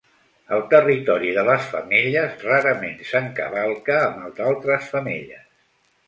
El territori de les femelles rarament s'encavalca amb el d'altres femelles.